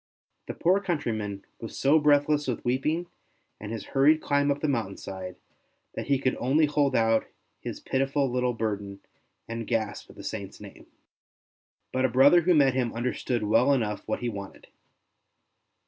The poor country man was so breathless with weeping and his hurried climb up the mountain side, that he could only hold out his pitiful little burden and gasp the Saint's name. But a brother who met him understood well enough what he wanted.